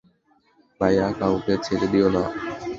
ভাইয়া, কাউকে ছেড়ে দিও না।